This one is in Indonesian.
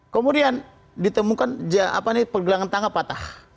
kemudian ditemukan pergelangan tangga patah